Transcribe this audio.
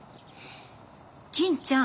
銀ちゃん。